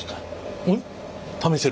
試せる？